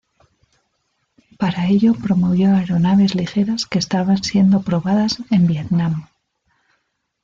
Para ello promovió aeronaves ligeras que estaban siendo probadas en Vietnam.